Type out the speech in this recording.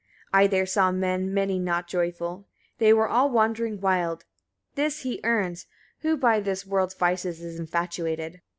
62. I there saw men many not joyful; they were all wandering wild: this he earns, who by this world's vices is infatuated.